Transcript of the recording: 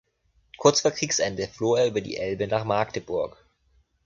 Kurz vor Kriegsende floh er über die Elbe nach Magdeburg.